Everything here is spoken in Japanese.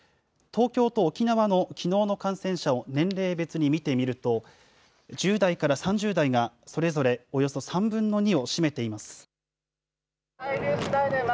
東京と沖縄のきのうの感染者を年齢別に見てみると、１０代から３０代がそれぞれおよそ３分の２を占めています。